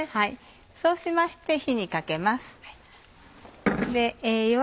そうしまして火にかけます。